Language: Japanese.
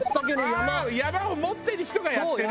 山を持ってる人がやってるんだ。